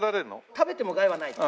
食べても害はないです。